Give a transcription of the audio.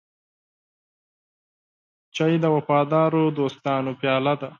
چای د وفادارو دوستانو پیاله ده.